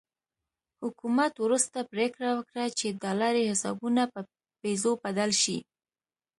حکومت وروسته پرېکړه وکړه چې ډالري حسابونه پر پیزو بدل شي.